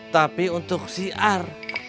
tapi untuk siar